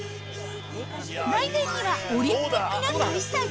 来年にはオリンピックが開催。